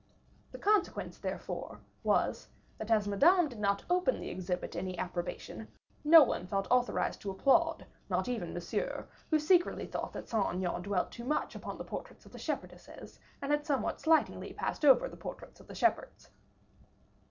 The consequence, therefore, was, that as Madame did not openly exhibit any approbation, no one felt authorized to applaud, not even Monsieur, who secretly thought that Saint Aignan dwelt too much upon the portraits of the shepherdesses, and had somewhat slightingly passed over the portraits of the shepherds.